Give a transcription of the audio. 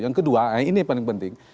nah ini yang paling penting